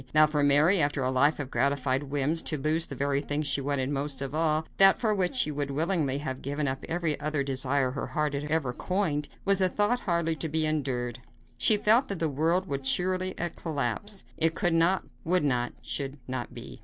Now for Mary, after a life of gratified whims, to lose the very thing she wanted most of all that for which she would willingly have given up every other desire her heart had ever coined was a thought hardly to be endured. She felt that the world would surely collapse. It could not, would not, should not be.